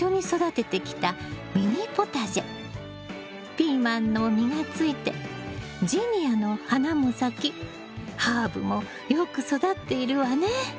ピーマンの実がついてジニアの花も咲きハーブもよく育っているわね。